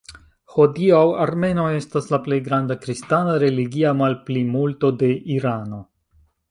Hodiaŭ armenoj estas la plej granda kristana religia malplimulto de Irano.